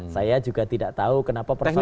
saya juga tidak tahu kenapa persoalan ini sangat